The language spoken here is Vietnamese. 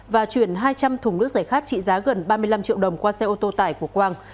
và chuyển hai trăm linh thùng nước giải khát trị giá gần ba mươi năm triệu đồng qua xe ô tô tải của quang